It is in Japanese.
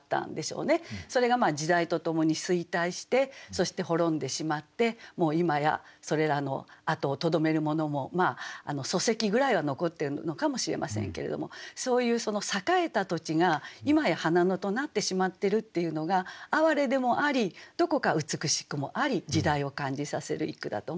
それが時代とともに衰退してそして滅んでしまってもう今やそれらの跡をとどめるものも礎石ぐらいは残ってるのかもしれませんけれどもそういう栄えた土地が今や花野となってしまってるっていうのがあわれでもありどこか美しくもあり時代を感じさせる一句だと思いました。